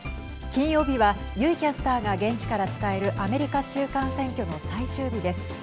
金曜日は油井キャスターが現地から伝えるアメリカ中間選挙の最終日です。